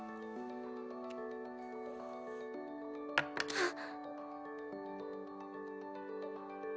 あっ。